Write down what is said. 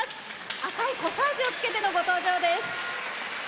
赤いコサージュを着けてのご登場です。